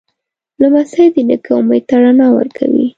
لمسی د نیکه امید ته رڼا ورکوي.